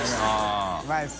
うまいっす」